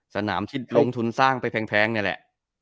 สนามที่ลงทุนสร้างไปแพงนี่แหละ